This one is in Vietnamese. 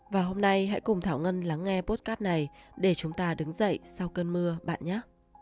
và hôm nay hãy cùng thảo ngân lắng nghe podcast này để chúng ta đứng dậy sau cơn mưa bạn nhắc